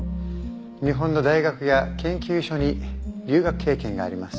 日本の大学や研究所に留学経験があります。